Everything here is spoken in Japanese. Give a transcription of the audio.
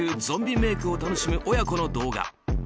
ゾンビメイクを楽しむ親子の動画。